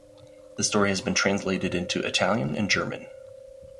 The story has been translated into Italian and German.